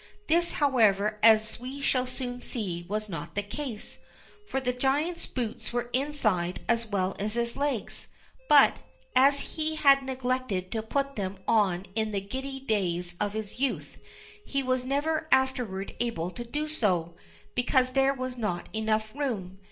This, however, as we shall soon see, was not the case, for the giant's boots were inside as well as his legs, but, as he had neglected to put them on in the giddy days of his youth, he was never afterward able to do so, because there was not enough room.